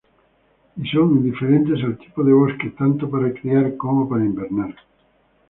Y son indiferentes al tipo de bosque tanto para criar como para invernar.